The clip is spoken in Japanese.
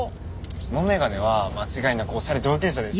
その眼鏡は間違いなくおしゃれ上級者です。